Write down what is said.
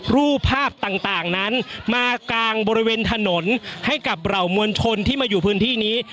รูปภาพต่างนั้นมากางบริเวณถนนให้กับเหล่ามวลชนที่มาอยู่พื้นที่นี้